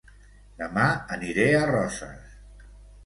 Dema aniré a Roses